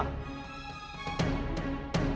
cintia apa maksud kamu saling bella